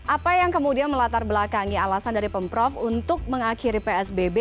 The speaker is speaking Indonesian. apa yang kemudian melatar belakangi alasan dari pemprov untuk mengakhiri psbb